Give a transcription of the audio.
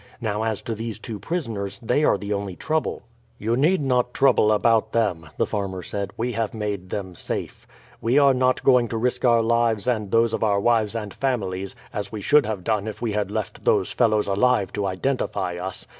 Now, as to these two prisoners, they are the only trouble." "You need not trouble about them," the farmer said, "we have made them safe. We are not going to risk our lives and those of our wives and families, as we should have done if we had left those fellows alive to identify us.